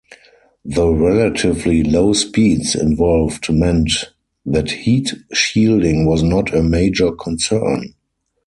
The relatively low speeds involved meant that heat shielding was not a major concern.